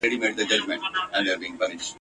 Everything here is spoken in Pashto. سړي سمدستي تعویذ ورته انشاء کړ ..